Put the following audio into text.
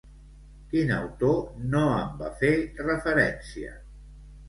Quin autor no en va fer referència?